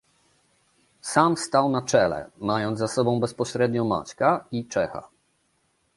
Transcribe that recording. "Sam stał na czele, mając za sobą bezpośrednio Maćka i Czecha."